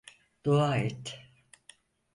Dua et.